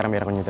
lebih men itu